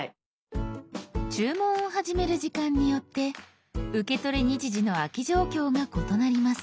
注文を始める時間によって受け取り日時の空き状況が異なります。